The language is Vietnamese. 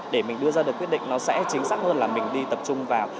để mình đưa ra được quyết định nó sẽ chính xác hơn là mình đi tập trung vào